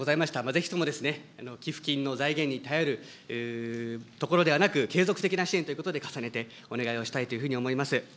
ぜひともですね、寄付金の財源に頼るところではなく、継続的な支援ということで重ねてお願いをしたいというふうに思います。